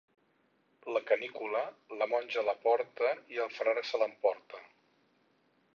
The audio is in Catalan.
La canícula, la monja la porta i el frare se l'emporta.